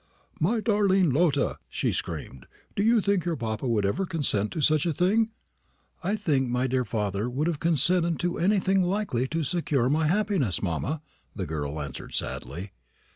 "My darling Lotta!" she screamed, "do you think your papa would ever consent to such a thing?" "I think my dear father would have consented to anything likely to secure my happiness, mamma," the girl answered sadly.